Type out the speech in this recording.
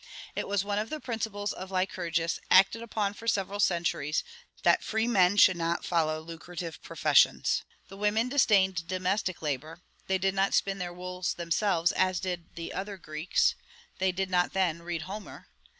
It was one of the principles of Lycurguss, acted upon for several centuries, that free men should not follow lucrative professions.... The women disdained domestic labor; they did not spin their wool themselves, as did the other Greeks [they did not, then, read Homer!